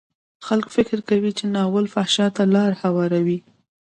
خلک فکر کوي چې ناول فحشا ته لار هواروي.